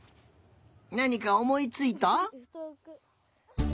なにかおもいついた？